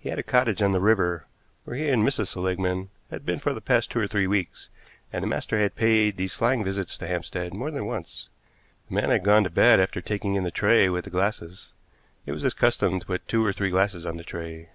He had a cottage on the river, where he and Mrs. Seligmann had been for the past two or three weeks, and the master had paid these flying visits to Hampstead more than once. The man had gone to bed after taking in the tray with the glasses. It was his custom to put two or three glasses on the tray.